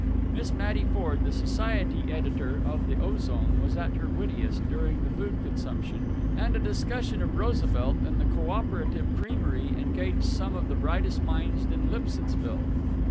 Miss Mattie Ford, the society editor of the Ozone, was at her wittiest during the food consumption, and a discussion of Roosevelt and the co operative creamery engaged some of the brightest minds in Lipsittsville.